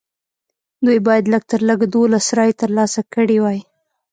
دوی باید لږ تر لږه دولس رایې ترلاسه کړې وای.